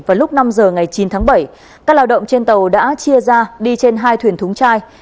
vào lúc năm giờ ngày chín tháng bảy các lao động trên tàu đã chia ra đi trên hai thuyền thúng chai